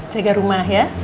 jaga rumah ya